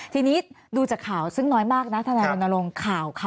ทีนี้ดูจากข่าวซึ่งน้อยมากนะธนาบนรงค์